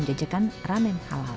menjajakan ramen halal